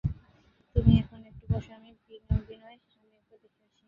তুমি এখানে একটু বোসো বিনয়, আমি একবার দেখে আসি।